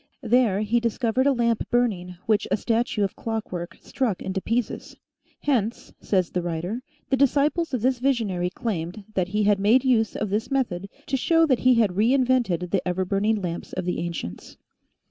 There he discovered a lamp burning which a statue of clock work struck into pieces. Hence, says the writer, the disciples of this visionary claimed that he had made use of this method to show that he had re invented the ever burning lamps of the ancients.